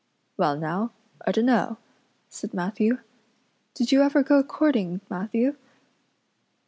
"Well now, I dunno," said Matthew. "Did you ever go courting, Matthew?"